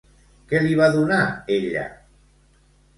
Què li va donar, ella?